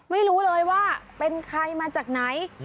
ไม่รู้เลยว่าเป็นใครมาจากไหน